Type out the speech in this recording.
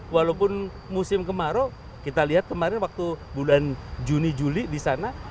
walaupun musim kemarau kita lihat kemarin waktu bulan juni juli di sana